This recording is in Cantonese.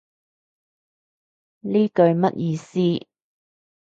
呢句乜意思